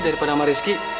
daripada sama rizky